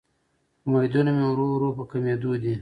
امیدونه مې ورو ورو په کمیدو دې